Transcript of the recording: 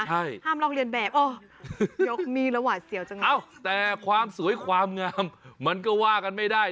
ห้ามลองเรียนแบบโอ้ยยกมีระหว่าเสี่ยวจังนะแต่ความสวยความงามมันก็ว่ากันไม่ได้